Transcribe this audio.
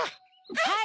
はい！